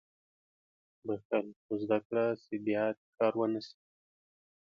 • بښل، خو زده کړه چې بیا تکرار ونه شي.